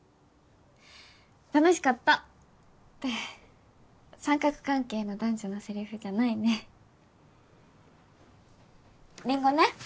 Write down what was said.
楽しかったって三角関係の男女のセリフじゃないねりんごね